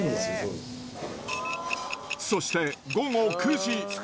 そして午後９時。